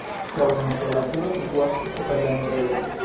La unusola turo situas super la enirejo.